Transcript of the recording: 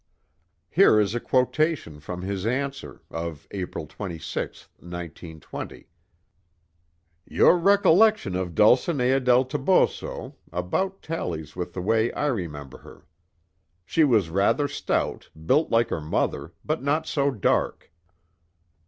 Here is a quotation from his answer, of April 26th, 1920: "Your recollection of Dulcinea del Toboso, about tallies with the way I remember her. She was rather stout, built like her mother, but not so dark.